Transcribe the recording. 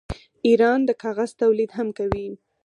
ایران د کاغذ تولید هم کوي.